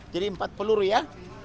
jadi empat peluru ya